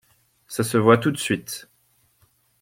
Ca ce voit tout de suite.